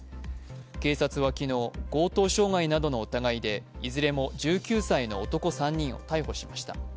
警察は昨日、強盗傷害などの疑いでいずれも１９歳の男３人を逮捕しました。